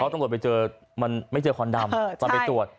เขาต้องกดไปเจอมันไม่เจอควันดำต้องไปตรวจ